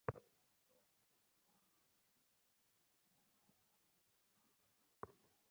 আলাপ-আলোচনায় পুরুষের চেয়ে নারীরা বেশি কথা বলে—এমন একটি কথা সমাজে প্রচলিত আছে।